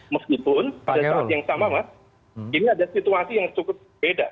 meskipun pada saat yang sama mas ini ada situasi yang cukup beda